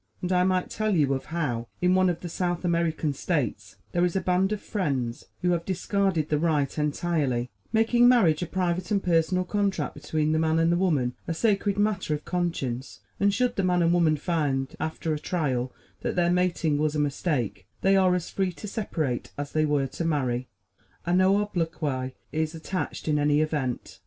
And I might tell you of how in one of the South American States there is a band of Friends who have discarded the rite entirely, making marriage a private and personal contract between the man and the woman a sacred matter of conscience; and should the man and woman find after a trial that their mating was a mistake, they are as free to separate as they were to marry, and no obloquy is attached in any event.